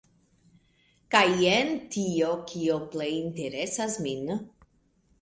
Kaj jen tio kio plej interesas min!